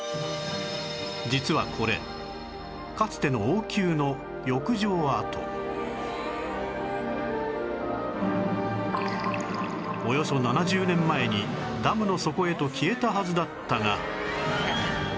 実はこれかつてのおよそ７０年前にダムの底へと消えたはずだったが